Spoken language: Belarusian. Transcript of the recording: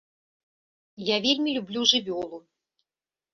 Я вельмі люблю жывёлу.